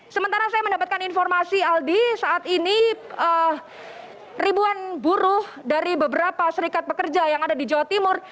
sementara saya mendapatkan informasi aldi saat ini ribuan buruh dari beberapa serikat pekerja yang ada di jawa timur